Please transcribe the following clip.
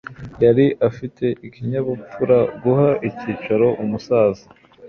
yari afite ikinyabupfura guha icyicaro umusaza